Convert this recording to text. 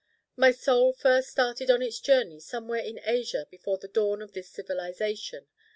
My Soul first started on its journey somewhere in Asia before the dawn of this civilization.